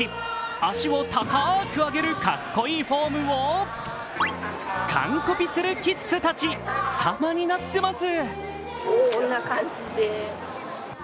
足を高く上げるかっこいいフォームを完コピするキッズたちさまになってます。